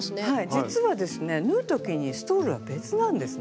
実はですね縫う時にストールは別なんですね。